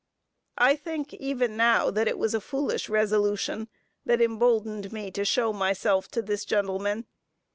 I think even now that it was a foolish resolution that emboldened me to show myself to this gentleman.